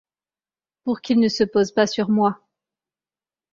Pour qu'ils ne se posent pas sur moi.